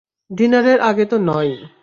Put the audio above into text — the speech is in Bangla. ডিনারের আগে তো নয়ই।